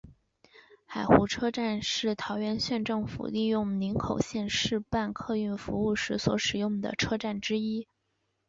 海湖车站是桃园县政府利用林口线试办客运服务时所使用的车站之一。